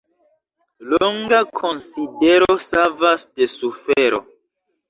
Longa konsidero savas de sufero.